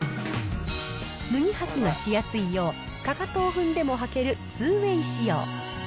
脱ぎ履きがしやすいよう、かかとを踏んでも履ける２ウェイ仕様。